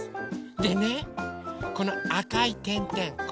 でねこのあかいてんてんこれ。